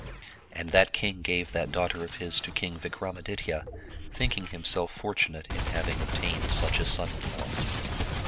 And that king gave that daughter of his to King Vikramaditya, thinking himself fortunate in having ob tained such a son in law.